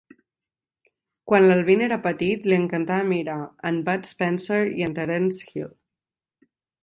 Quan l'Alvin era petit, li encantava mirar en Bud Spencer i en Terence Hill.